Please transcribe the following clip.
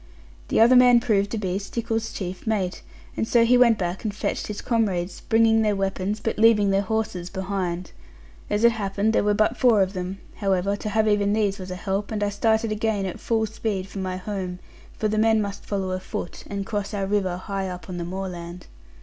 The other man proved to be Stickles's chief mate; and so he went back and fetched his comrades, bringing their weapons, but leaving their horses behind. As it happened there were but four of them; however, to have even these was a help; and I started again at full speed for my home; for the men must follow afoot, and cross our river high up on the moorland.